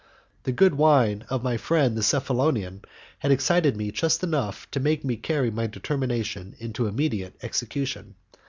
The good wine of my friend the Cephalonian had excited me just enough to make me carry my determination into immediate execution.